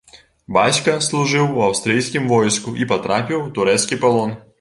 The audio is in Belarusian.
Бацька служыў у аўстрыйскім войску і патрапіў у турэцкі палон.